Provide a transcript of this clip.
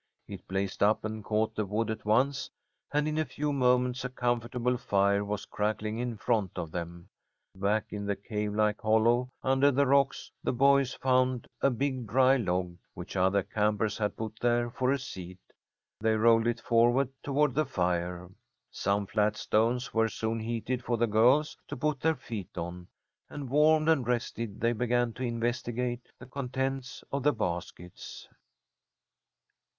It blazed up and caught the wood at once, and in a few moments a comfortable fire was crackling in front of them. Back in the cavelike hollow, under the rocks, the boys found a big, dry log, which other campers had put there for a seat. They rolled it forward toward the fire. Some flat stones were soon heated for the girls to put their feet on, and, warmed and rested, they began to investigate the contents of the baskets.